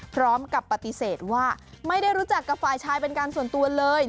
พร้อมกับปฏิเสธว่าไม่ได้รู้จักกับฝ่ายชายเป็นการส่วนตัวเลย